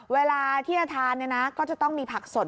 เวลาที่จะทานเนี่ยนะก็จะต้องมีผักสด